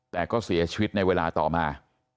แต่ก็เสียชีวิตในเวลาต่อมา